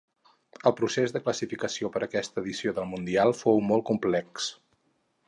El procés de classificació per aquesta edició del mundial fou molt complex.